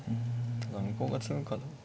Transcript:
ただ向こうが詰むかどうか。